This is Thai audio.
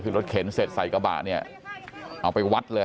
คือรถเข็นเสร็จใส่กระบะเนี่ยเอาไปวัดเลย